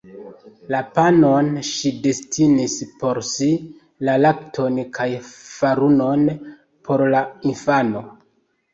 La panon ŝi destinis por si, la lakton kaj farunon por la infano.